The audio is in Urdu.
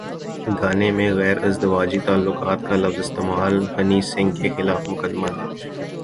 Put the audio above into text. گانے میں غیر ازدواجی تعلقات کا لفظ استعمال ہنی سنگھ کے خلاف مقدمہ درج